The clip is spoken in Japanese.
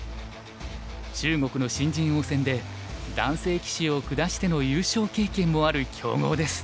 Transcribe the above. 中国の新人王戦で男性棋士を下しての優勝経験もある強豪です。